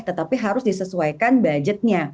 tetapi harus disesuaikan budgetnya